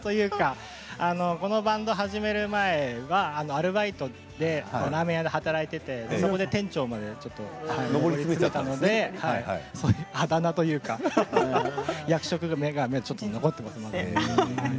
このバンドを始める前はラーメン屋で働いていてそこで店長をやっていたのであだ名というか役職名が残っていますね。